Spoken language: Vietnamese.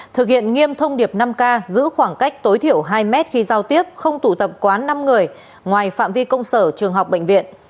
thực hiện nghiêm thông điệp năm k giữ khoảng cách tối thiểu hai mét khi giao tiếp không tụ tập quá năm người ngoài phạm vi công sở trường học bệnh viện